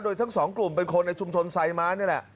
โดยทั้งสองกลุ่มเป็นคนในชุมชนไซม้านี่แหละ